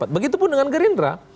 begitupun dengan gerindra